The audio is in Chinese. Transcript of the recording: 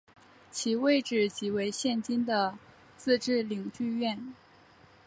其位置即为现今的自治领剧院。